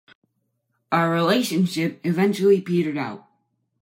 Our relationship eventually petered out.